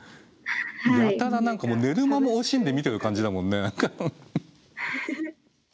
やたら寝る間も惜しんで見てる感じだもんね。